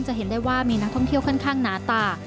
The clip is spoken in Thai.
เห็นได้ว่ามีนักท่องเที่ยวค่อนข้างหนาตา